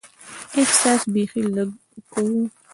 احساس بیخي لږ کوو.